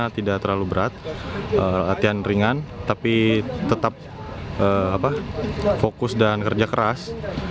tidak terlalu berat latihan ringan tapi tetap fokus dan kerja keras